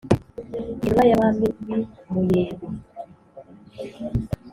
ndi intumwa y'abami b'i muyebe,